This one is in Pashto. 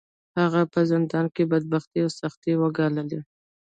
هغه په زندان کې بدبختۍ او سختۍ وګاللې.